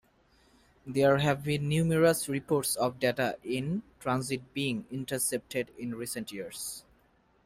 There have been numerous reports of data in transit being intercepted in recent years.